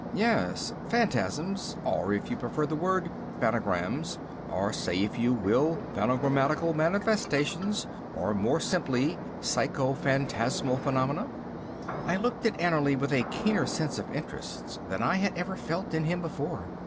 "Yes, phantasms, or if you prefer the word, phanograms, or say if you will phanogrammatical manifestations, or more simply psychophantasmal phenomena?" I looked at Annerly with a keener sense of interest than I had ever felt in him before.